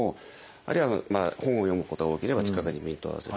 あるいは本を読むことが多ければ近くにピントを合わせる。